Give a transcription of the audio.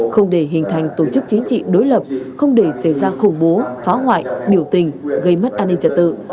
không để hình thành tổ chức chính trị đối lập không để xảy ra khủng bố phá hoại biểu tình gây mất an ninh trật tự